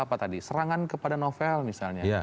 apa tadi serangan kepada novel misalnya